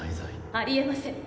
・ありえません。